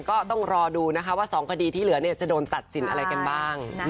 ก็ต้องรอดูนะคะว่า๒คดีที่เหลือจะโดนตัดสินอะไรกันบ้าง